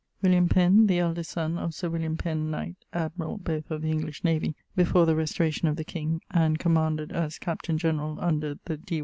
William Penn[AP], the eldest son of Sir William Penn, knight, [admirall both of the English navy before the restauration of the king, and commanded as captain generall under the D.